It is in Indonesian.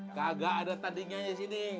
kagak ada tandingannya sini